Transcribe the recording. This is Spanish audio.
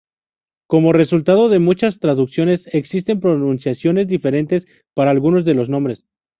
Como resultado de muchas traducciones, existen pronunciaciones diferentes para algunos de los nombres.